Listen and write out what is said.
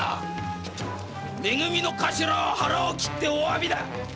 め組の頭は腹を切っておわびだ。